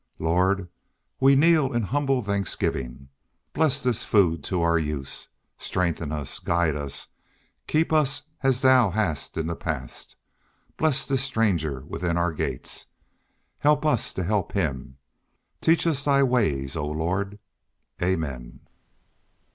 "Lord, we kneel in humble thanksgiving. Bless this food to our use. Strengthen us, guide us, keep us as Thou hast in the past. Bless this stranger within our gates. Help us to help him. Teach us Thy ways, O Lord Amen."